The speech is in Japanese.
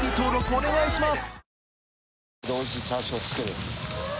お願いします